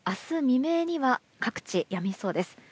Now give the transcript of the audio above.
未明には各地、やみそうです。